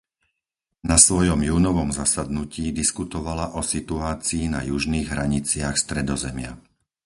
Na svojom júnovom zasadnutí diskutovala o situácii na južných hraniciach Stredozemia.